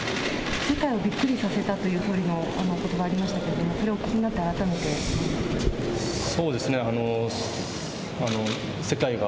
世界をびっくりさせたというおことばありましたけど、それをお聞きになって改めてどんなお気持ちで。